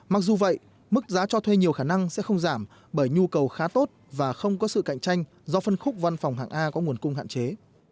mặc dù vậy mức giá cho thuê nhiều khả năng sẽ không giảm bởi nhu cầu khá tốt và không có sự cạnh tranh do phân khúc văn phòng hạng a có nguồn cung hạn chế